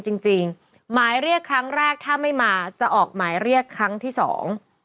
จริงจริงหมายเรียกครั้งแรกถ้าไม่มาจะออกหมายเรียกครั้งที่สอง